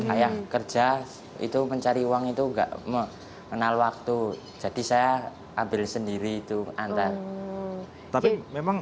ayah kerja itu mencari uang itu enggak mengenal waktu jadi saya ambil sendiri itu antar tapi memang